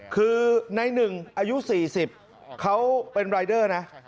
คือในหนึ่งอายุสี่สิบเขาเป็นลายเนอะ